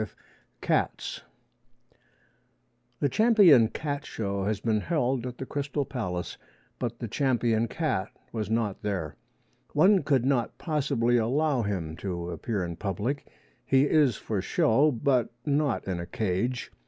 V CATS The Champion Cat Show has been held at the Crystal Palace, but the champion cat was not there. One could not possibly allow him to appear in public. He is for show, but not in a cage.